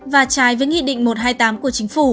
và trái với nghị định một trăm hai mươi tám qc